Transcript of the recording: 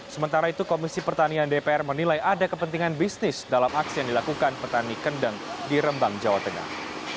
sementara itu komisi pertanian dpr menilai ada kepentingan bisnis dalam aksi yang dilakukan petani kendeng di rembang jawa tengah